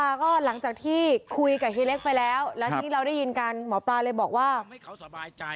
เอาให้แบบไม่ต้องมีอะไรติดค้างันขนาดนั้นเลยเหรอ